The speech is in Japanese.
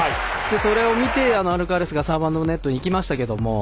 それを見て、アルカラスがサーブアンドネットにいきましたけども。